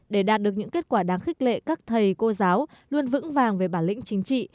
để đạt được những kết quả đáng khích lệ các thầy cô giáo luôn vững vàng về bản lĩnh chính trị